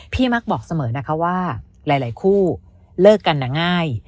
มักบอกเสมอนะคะว่าหลายคู่เลิกกันง่าย